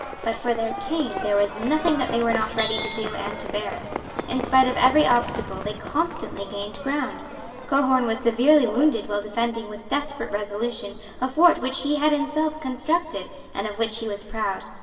But for their King there was nothing that they were not ready to do and to bear. In spite of every obstacle they constantly gained ground. Cohorn was severely wounded while defending with desperate resolution a fort which he had himself constructed, and of which he was proud.